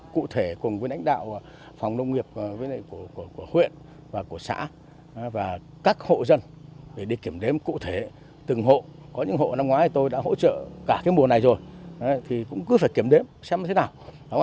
cụ thể cùng với đánh đạo phòng nông nghiệp của huyện và của xã và các hộ dân để đi kiểm đếm cụ thể từng hộ có những hộ năm ngoái tôi đã hỗ trợ cả mùa này rồi thì cũng cứ phải kiểm đếm xem thế nào